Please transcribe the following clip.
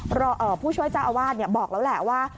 เพราะผู้ช่วยเจ้าอาวาสบอกแล้วแหละว่า